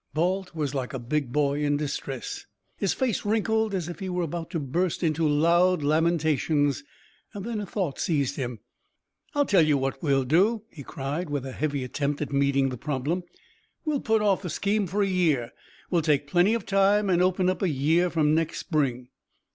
Balt was like a big boy in distress. His face wrinkled as if he were about to burst into loud lamentations; then a thought seized him. "I'll tell you what we'll do!" he cried, with a heavy attempt at meeting the problem. "We'll put off the scheme for a year. We'll take plenty of time, and open up a year from next spring."